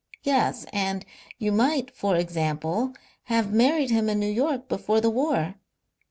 "Yes. And you might, for example, have married him in New York before the war."